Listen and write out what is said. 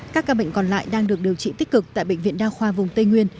các ca bệnh còn lại đang được điều trị tích cực tại bệnh viện đa khoa vùng tây nguyên